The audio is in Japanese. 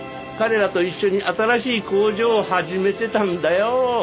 彼らと一緒に新しい工場を始めてたんだよ。